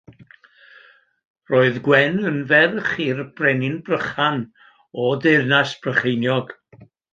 Roedd Gwen yn ferch i'r Brenin Brychan, o Deyrnas Brycheiniog.